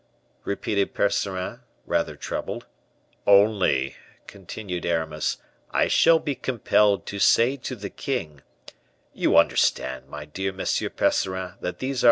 '" repeated Percerin, rather troubled. "'Only,'" continued Aramis, "'I shall be compelled to say to the king,' you understand, my dear Monsieur Percerin, that these are M.